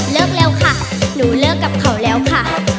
เร็วค่ะหนูเลิกกับเขาแล้วค่ะ